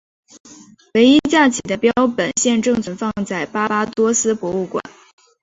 唯一架起的标本现正存放在巴巴多斯博物馆。